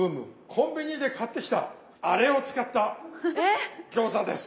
コンビニで買ってきたあれを使った餃子です！